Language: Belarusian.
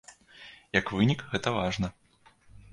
Як вынік гэта важна.